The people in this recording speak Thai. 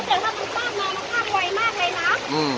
แต่ว่ามันข้ามมามันข้ามไวมากเลยนะอืม